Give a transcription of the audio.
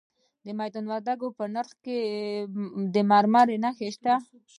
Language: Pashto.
د میدان وردګو په نرخ کې د مرمرو نښې شته.